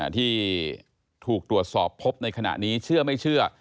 ที่ถูกตรวจสอบพบในขณะนี้เชื่อไม่เชื่อ